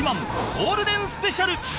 ゴールデンスペシャル